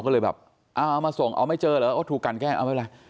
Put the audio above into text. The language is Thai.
เลยแบบเอามาส่งเอาไม่เจอแล้วคือถูกกันแกล้งเอาไปเลย